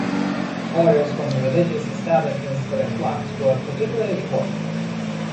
Orders from religious establishments for their flocks were particularly important.